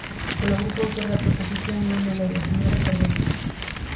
Polo grupo autor da proposición non de lei, a señora Corvelle.